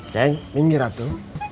ceng ini ratu